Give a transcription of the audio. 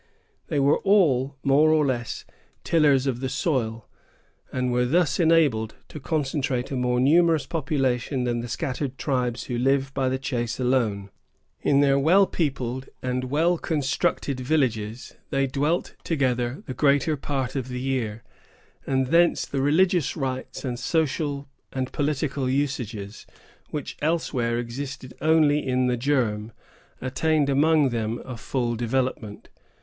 They were all, more or less, tillers of the soil, and were thus enabled to concentrate a more numerous population than the scattered tribes who live by the chase alone. In their well peopled and well constructed villages, they dwelt together the greater part of the year; and thence the religious rites and social and political usages, which elsewhere existed only in the germ, attained among them a full development.